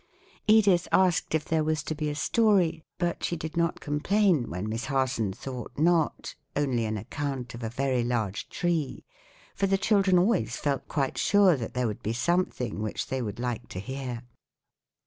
Edith asked if there was to be a story, but she did not complain when Miss Harson thought not, only an account of a very large tree; for the children always felt quite sure that there would be something which they would like to hear.